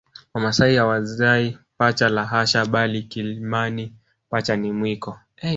Wamasai hawazai pacha la hasha bali kiimani pacha ni mwiko